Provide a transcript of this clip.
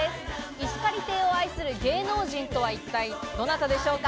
石狩亭を愛する芸能人とは一体どなたでしょうか？